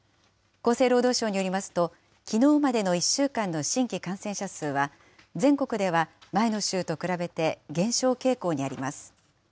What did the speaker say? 厚生労働省によりますと、きのうまでの１週間の新規感染者数は、全国では前の週と比べて減少傾向にあります。